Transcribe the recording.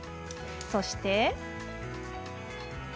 そして。